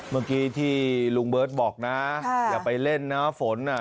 เมื่อกี้ที่ลุงเบิร์ตบอกนะอย่าไปเล่นนะฝนอ่ะ